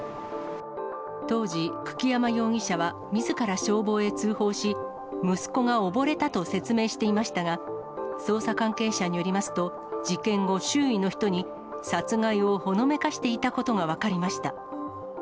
当時、久木山容疑者はみずから消防へ通報し、息子が溺れたと説明していましたが、捜査関係者によりますと、事件後、周囲の人に、殺害をほのめかしていたことが分かりました。